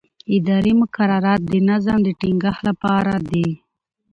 اداري مقررات د نظم د ټینګښت لپاره دي.